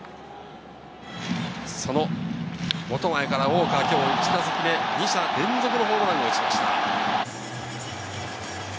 その本前からウォーカー、今日１打席目、２者連続ホームランを打ちました。